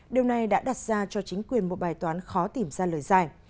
điều này đã đặt ra cho chính quyền một bài toán khó tìm ra lời giải